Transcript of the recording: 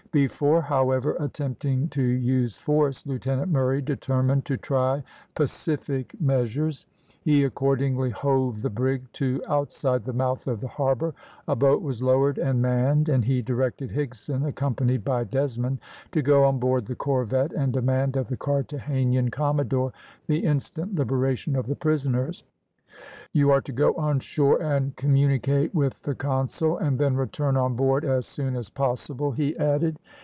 Before, however, attempting to use force, Lieutenant Murray determined to try pacific measures. He accordingly hove the brig to outside the mouth of the harbour, a boat was lowered and manned, and he directed Higson, accompanied by Desmond, to go on board the corvette, and demand of the Carthagenan commodore the instant liberation of the prisoners. "Should he refuse, you are to go on shore and communicate with the consul, and then return on board as soon as possible," he added.